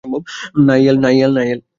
না, ইয়েল।